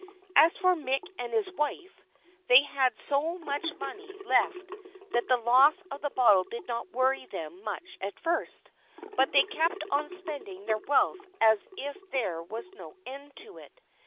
As for Mick and his wife, they had so much money left that the loss of the bottle did not worry them much at first; but they kept on spending their wealth as if there was no end to it.